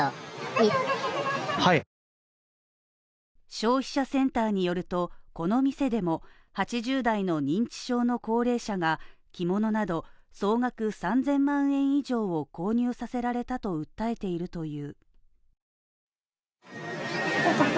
消費者センターによると、この店でも８０代の認知症の高齢者が着物など、総額３０００万円以上を購入させられたと訴えているという。